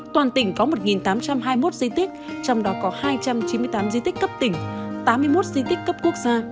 toàn tỉnh có một tám trăm hai mươi một di tích trong đó có hai trăm chín mươi tám di tích cấp tỉnh tám mươi một di tích cấp quốc gia